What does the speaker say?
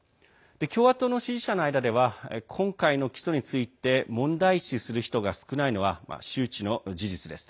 共和党の支持者の間では今回の起訴について問題視する人が少ないのは周知の事実です。